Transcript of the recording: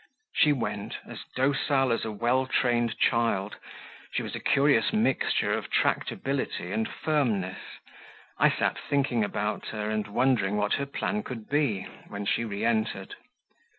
She went as docile as a well trained child; she was a curious mixture of tractability and firmness: I sat thinking about her, and wondering what her plan could be, when she re entered.